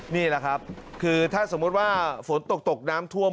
นี่แหละครับคือถ้าสมมุติว่าฝนตกตกน้ำท่วม